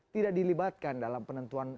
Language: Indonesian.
tidak dilibatkan dalam penentuan